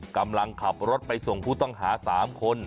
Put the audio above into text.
กำลังขับรถไปส่งผู้ต้องหา๓คน